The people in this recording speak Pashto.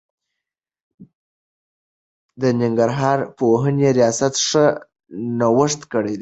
د ننګرهار پوهنې رياست ښه نوښت کړی دی.